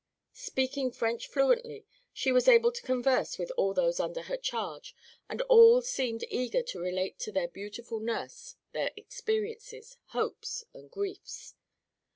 Speaking French fluently, she was able to converse with all those under her charge and all seemed eager to relate to their beautiful nurse their experiences, hopes and griefs.